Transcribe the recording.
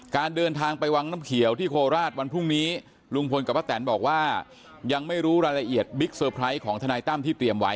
เดินทางไปวังน้ำเขียวที่โคราชวันพรุ่งนี้ลุงพลกับป้าแตนบอกว่ายังไม่รู้รายละเอียดบิ๊กเซอร์ไพรส์ของทนายตั้มที่เตรียมไว้